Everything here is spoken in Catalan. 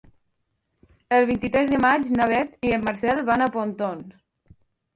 El vint-i-tres de maig na Beth i en Marcel van a Pontons.